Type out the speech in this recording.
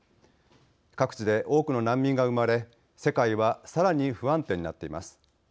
各地で多くの難民が生まれ世界はさらに不安定になっています。